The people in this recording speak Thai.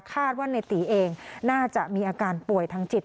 ว่าในตีเองน่าจะมีอาการป่วยทางจิต